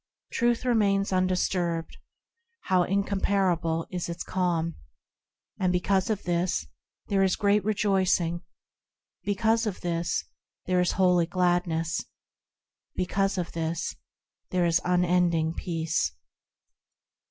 Truth remains undisturbed,– How incomparable is its calm ! And because of this, there is great rejoicing, Because of this, there is holy gladness, Because of this, there is unending peace.